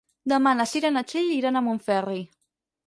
Demà na Cira i na Txell iran a Montferri.